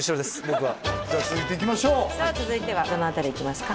僕はじゃあ続いていきましょうさあ続いてはどの辺りいきますか